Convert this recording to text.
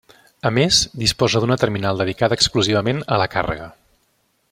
A més, disposa d'una terminal dedicada exclusivament a la càrrega.